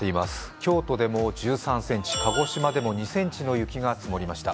京都でも１３ｃｍ、鹿児島でも２ｃｍの雪が積もりました。